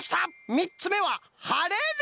みっつめは「はれる」！